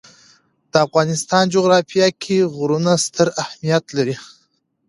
د افغانستان جغرافیه کې غرونه ستر اهمیت لري.